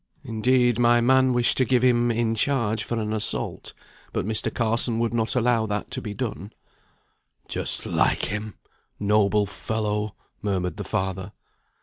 Indeed, my man wished to give him in charge for an assault, but Mr. Carson would not allow that to be done." "Just like him! noble fellow!" murmured the father.